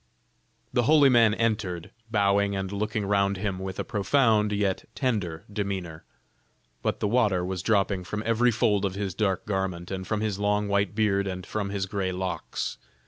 The holy man entered, bowing and looking round him, with a profound, yet tender demeanor. But the water was dropping from every fold of his dark garment, and from his long white beard and from his gray locks.